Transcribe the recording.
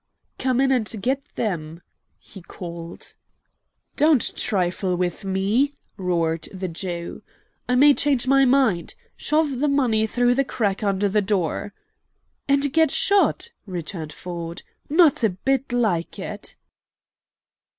"Come in and get them!" he called. "Don't trifle with me!" roared the Jew, "I may change my mind. Shove the money through the crack under the door." "And get shot!" returned Ford. "Not bit like it!"